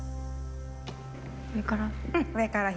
上から？